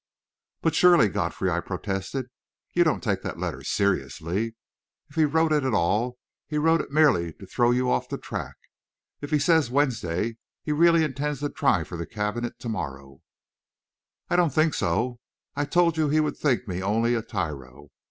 "But, surely, Godfrey," I protested, "you don't take that letter seriously! If he wrote it at all, he wrote it merely to throw you off the track. If he says Wednesday, he really intends to try for the cabinet to morrow." "I don't think so. I told you he would think me only a tyro.